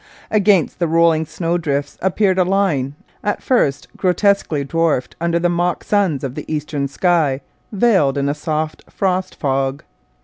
Against the rolling snowdrifts appeared a line, at first grotesquely dwarfed under the mock suns of the eastern sky veiled in a soft frost fog.